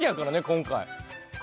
今回。